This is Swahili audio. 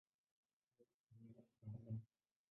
Hayana umbo maalum.